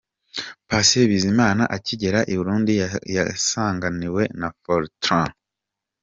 Patient Bizimana akigera i Burundi yasanganiwe na Fortran.